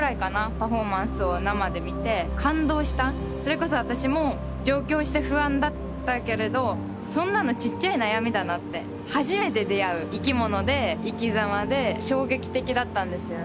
パフォーマンスを生で見て感動したそれこそ私も上京して不安だったけれどそんなのちっちゃい悩みだなって初めて出会う生き物で生きざまで衝撃的だったんですよね